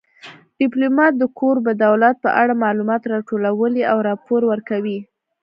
ډیپلومات د کوربه دولت په اړه معلومات راټولوي او راپور ورکوي